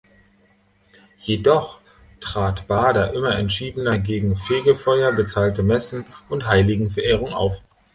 Jedoch trat Bader immer entschiedener gegen Fegefeuer, bezahlte Messen und Heiligenverehrung auf.